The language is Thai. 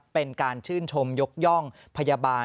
เป็นการชื่นชมยกย่องพยาบาล